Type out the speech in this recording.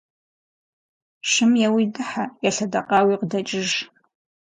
Шым еуи дыхьэ, елъэдэкъауи къыдэкӏыж.